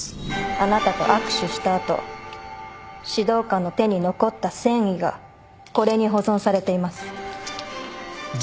あなたと握手した後指導官の手に残った繊維がこれに保存されています。